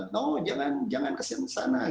no jangan kesini sana